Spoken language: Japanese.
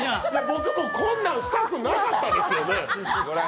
僕、こんなん、したくなかったですよね。